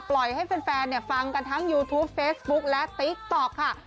ปล่อยให้แฟนแฟนเนี้ยฟังกันทั้งยูทูปเฟสบุ๊กและติ๊กต๊อกค่ะ